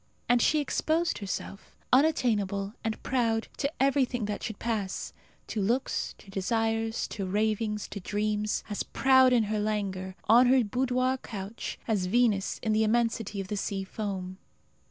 And she exposed herself, unattainable and proud, to everything that should pass to looks, to desires, to ravings, to dreams; as proud in her languor, on her boudoir couch, as Venus in the immensity of the sea foam.